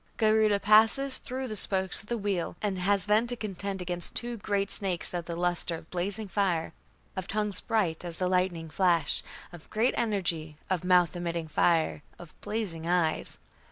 Garuda passes "through the spokes of the wheel", and has then to contend against "two great snakes of the lustre of blazing fire, of tongues bright as the lightning flash, of great energy, of mouth emitting fire, of blazing eyes".